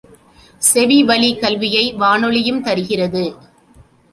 செவிவழிக் கல்வியை வானொலியும் தருகிறது.